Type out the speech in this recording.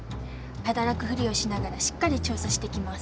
働くふりをしながらしっかり調査してきます。